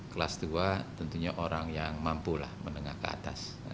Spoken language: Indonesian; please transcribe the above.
kelas dua tentunya orang yang mampu lah menengah ke atas